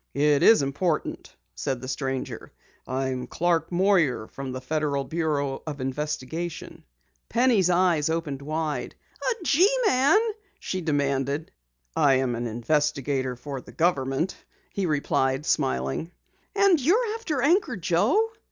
"It is important," said the stranger. "I am Clark Moyer, from the Federal Bureau of Investigation." Penny's eyes opened wide. "A G man?" she demanded. "I am an investigator for the government," he replied, smiling. "And you're after Anchor Joe?"